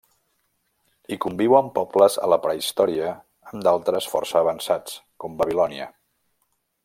Hi conviuen pobles a la prehistòria amb d'altres força avançats, com Babilònia.